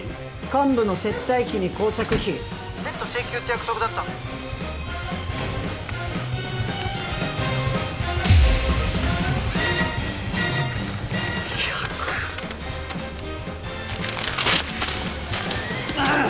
幹部の接待費に工作費別途請求って約束だったんで百ああっ！